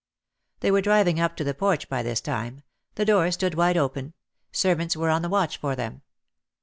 They were driving up to the porch by this time ; the door stood wide open ; servants were on the watch for them.